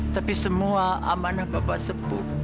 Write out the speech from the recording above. tapi semua amanah bapak sebut